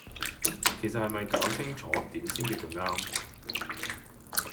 其實係咪攪清楚點先叫做啱